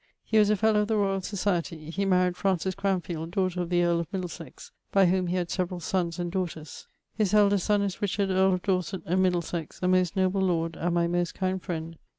He was a fellow of the Royall Societie. He maried Cranfield, daughter of the earle of Middlesex, by whome he had severall sonnes and daughters. His eldest sonne is Richard, earl of Dorset and Middlesex, a most noble lord and my most kind friend.